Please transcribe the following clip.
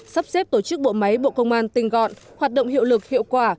sắp xếp tổ chức bộ máy bộ công an tinh gọn hoạt động hiệu lực hiệu quả